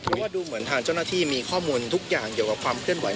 เพราะว่าดูเหมือนทางเจ้าหน้าที่มีข้อมูลทุกอย่างเกี่ยวกับความเคลื่อนไห